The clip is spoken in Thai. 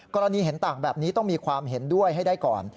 กรณีเห็นต่างแบบนี้ต้องมีความเห็นด้วยให้ได้ก่อน